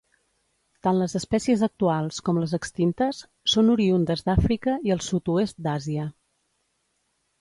Tant les espècies actuals com les extintes són oriündes d'Àfrica i el sud-oest d'Àsia.